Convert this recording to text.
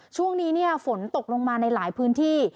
ช่วงนี้ฝนตกลงมาในหลายพื้นที่